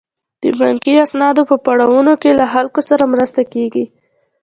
د بانکي اسنادو په پړاوونو کې له خلکو سره مرسته کیږي.